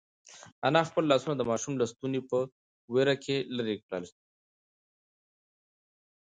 انا خپل لاسونه د ماشوم له ستوني په وېره کې لرې کړل.